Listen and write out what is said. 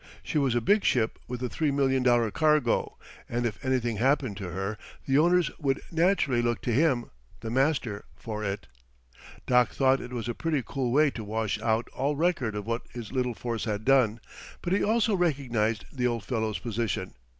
She was a big ship with a three million dollar cargo, and if anything happened her, the owners would naturally look to him, the master, for it. Doc thought it was a pretty cool way to wash out all record of what his little force had done, but he also recognized the old fellow's position.